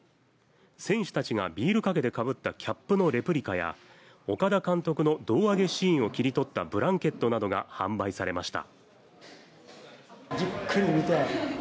選手たちがビールかけでかぶったキャップのレプリカや岡田監督の胴上げシーンを切り取ったブランケットなどが販売されました。